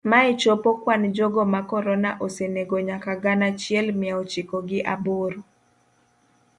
Mae chopo kwan jogo ma corona osenego nyaka gana achiel mia ochiko gi aboro.